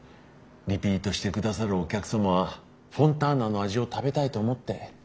リピートしてくださるお客様はフォンターナの味を食べたいと思って通ってくださってるんです。